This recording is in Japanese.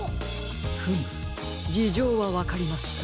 フムじじょうはわかりました。